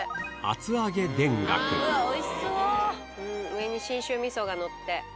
上に信州味噌がのって。